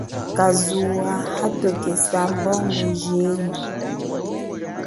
Kazuwa hatokesa bongo jenyi.